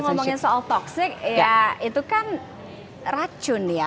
kalau ngomongin soal toxic ya itu kan racun ya